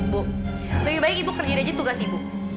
bu lebih baik ibu kerjain aja tugas ibu